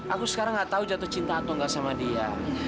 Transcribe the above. aku sekarang gak tahu jatuh cinta atau nggak sama dia